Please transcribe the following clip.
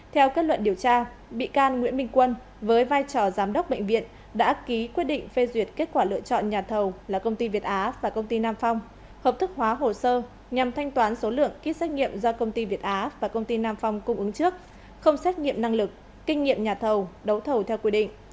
theo kết luận điều tra bị can nguyễn minh quân với vai trò giám đốc bệnh viện đã ký quyết định phê duyệt kết quả lựa chọn nhà thầu là công ty việt á và công ty nam phong hợp thức hóa hồ sơ nhằm thanh toán số lượng ký xét nghiệm do công ty việt á và công ty nam phong cung ứng trước không xét nghiệm năng lực kinh nghiệm nhà thầu đấu thầu theo quy định